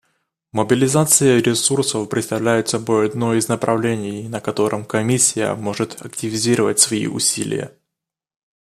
Мобилизация ресурсов представляет собой одно из направлений, на котором Комиссия может активизировать свои усилия.